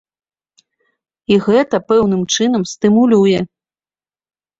І гэта пэўным чынам стымулюе.